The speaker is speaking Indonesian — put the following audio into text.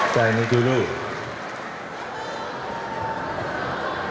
saya ini dulu